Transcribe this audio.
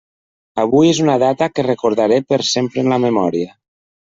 Avui és una data que recordaré per sempre en la memòria.